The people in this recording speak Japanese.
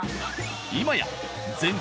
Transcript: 今や全国